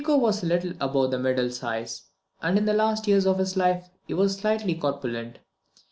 Tycho was a little above the middle size, and in the last years of his life he was slightly corpulent.